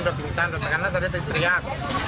sudah pingsan karena tadi teriak